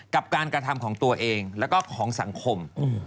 กับการกระทำของตัวเองแล้วก็ของสังคม